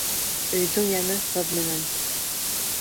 Өйҙөң йәме ҡыҙ менән.